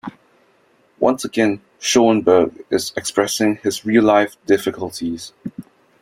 Once again, Schoenberg is expressing his real life difficulties.